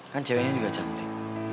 kan ceweknya juga cantik